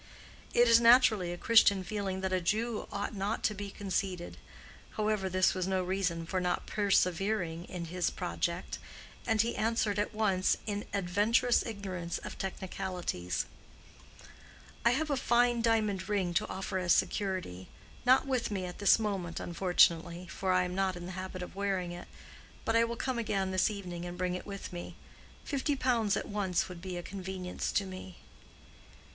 It is naturally a Christian feeling that a Jew ought not to be conceited. However, this was no reason for not persevering in his project, and he answered at once in adventurous ignorance of technicalities, "I have a fine diamond ring to offer as security—not with me at this moment, unfortunately, for I am not in the habit of wearing it. But I will come again this evening and bring it with me. Fifty pounds at once would be a convenience to me."